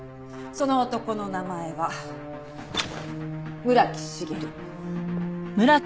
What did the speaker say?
その男の名前は村木繁。